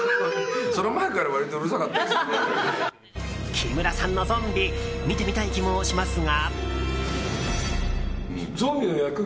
木村さんのゾンビ見てみたい気もしますが。